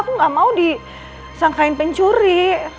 aku nggak mau disangkain pencuri